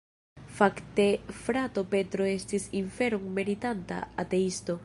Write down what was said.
Fakte frato Petro estis inferon meritanta ateisto.